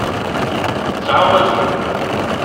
Ttɛawazen?